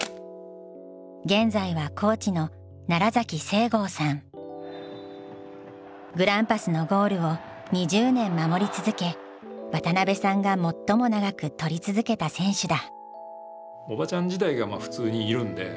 現在はコーチのグランパスのゴールを２０年守り続け渡邉さんが最も長く撮り続けた選手だ。